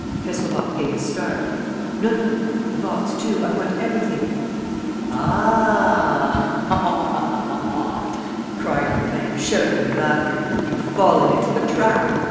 ..." Kesselbach gave a start: "No, no ... the box, too. ... I want everything. ..." "Ah," cried Lupin, shouting with laughter, "you've fallen into the trap! ..